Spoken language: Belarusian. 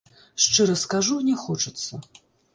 Шчыра скажу, не хочацца.